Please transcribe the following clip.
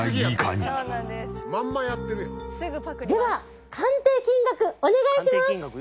では鑑定金額お願いします。